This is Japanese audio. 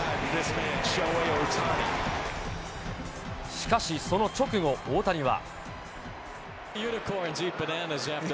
しかしその直後、大谷は。